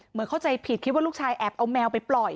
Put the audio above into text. เข้าใจผิดคิดว่าลูกชายแอบเอาแมวไปปล่อย